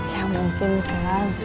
ya mungkin kan